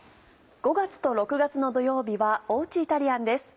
５月と６月の土曜日はおうちイタリアンです。